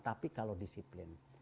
tapi kalau disiplin